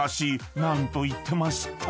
何と言ってました？